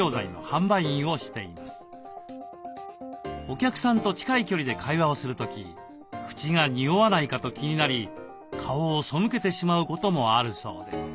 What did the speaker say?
お客さんと近い距離で会話をする時口が臭わないかと気になり顔を背けてしまうこともあるそうです。